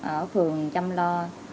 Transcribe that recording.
ở phường chăm lo